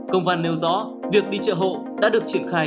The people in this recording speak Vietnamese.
công văn nêu rõ việc đi chợ hộ đã được triển khai